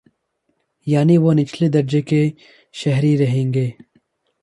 یعنی وہ نچلے درجے کے شہری رہیں گے۔